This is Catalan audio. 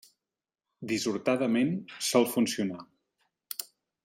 Dissortadament sol funcionar.